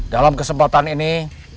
dalam kesempatan ini